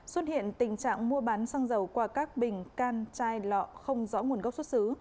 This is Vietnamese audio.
xuất hiện tình trạng mua bán xăng dầu qua các bình can chai lọ không rõ nguồn gốc xuất xứ